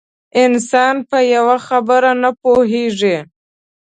انسان په یوه خبره نه پوهېږي.